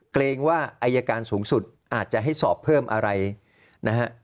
เกรงว่าอายการสูงสุดอาจจะให้สอบเพิ่มอะไรนะฮะ